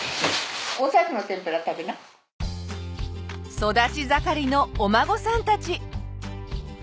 育ち盛りのお孫さんたち。